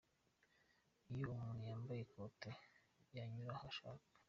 Iyo muntu yambaye bote yanyura aho ashaka.